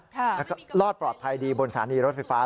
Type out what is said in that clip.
แล้วก็รอดปลอดภัยดีบนสถานีรถไฟฟ้า